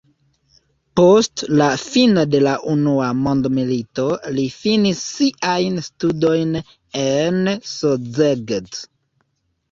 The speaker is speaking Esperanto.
Post la fino de la unua mondmilito li finis siajn studojn en Szeged.